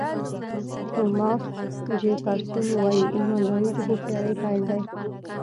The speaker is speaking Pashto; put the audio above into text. توماس جیفرسون وایي ایمانداري د هوښیارۍ پیل دی.